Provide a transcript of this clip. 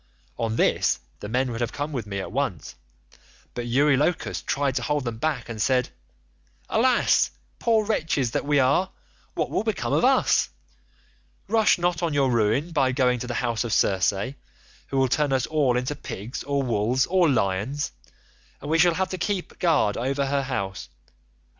"On this the men would have come with me at once, but Eurylochus tried to hold them back and said, 'Alas, poor wretches that we are, what will become of us? Rush not on your ruin by going to the house of Circe, who will turn us all into pigs or wolves or lions, and we shall have to keep guard over her house.